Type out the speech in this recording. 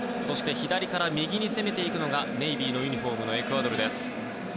左から右に攻めるのがネイビーのユニホームエクアドルです。